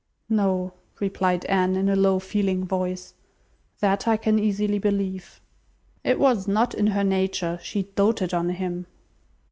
"No," replied Anne, in a low, feeling voice. "That I can easily believe." "It was not in her nature. She doted on him."